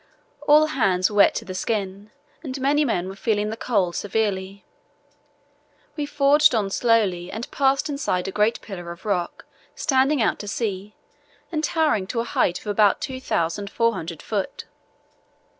All hands were wet to the skin again and many men were feeling the cold severely. We forged on slowly and passed inside a great pillar of rock standing out to sea and towering to a height of about 2400 ft.